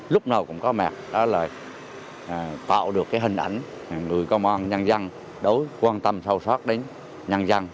lúc nào cũng có mẹ đó là tạo được cái hình ảnh người công an nhân dân đối quan tâm sâu soát đến nhân dân